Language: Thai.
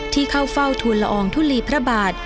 ที่เข้าเฝ้าทุนละอองทุลีพระบาท